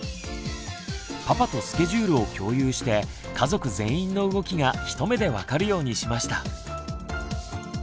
パパとスケジュールを共有して家族全員の動きが一目で分かるようにしました。